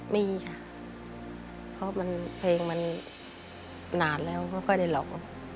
มีค่ะเพราะเพลงมันนานแล้วไม่ค่อยได้ร้อง